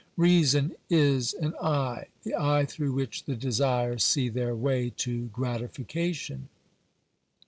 Reason is an eye — the eye through which the desires see their way to gratification.